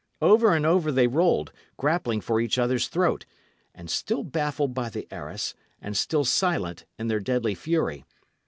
Over and over they rolled, grappling for each other's throat, and still baffled by the arras, and still silent in their deadly fury.